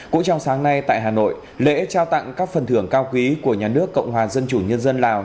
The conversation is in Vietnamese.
cũng trong sáng nay tại hà nội lễ trao tặng các phần thưởng cao quý của nhà nước cộng hòa dân chủ nhân dân lào